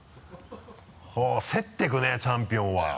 ほぉ競っていくねチャンピオンは。